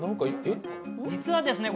実はですね